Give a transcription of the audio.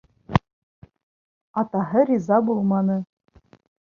Атаһы риза булманы.